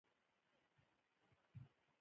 په افغانستان کې پامیر د خلکو لپاره ډېر اهمیت لري.